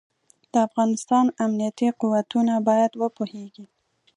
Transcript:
د افغانستان امنيتي قوتونه بايد وپوهېږي.